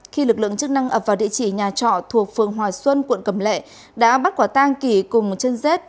khi lực lượng chức năng ập vào địa chỉ nhà trọ thuộc phường hòa xuân quận cầm lệ đã bắt quả tang kỷ cùng chân dết